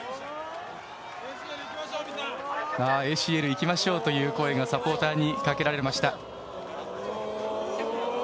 ＡＣＬ行きましょうという声がサポーターにかけられました。